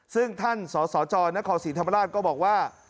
ซึ่งท่านสสจนครศรีธรรมราชก็บอกว่า